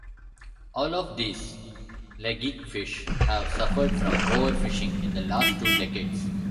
All of these pelagic fish have suffered from overfishing in the last two decades.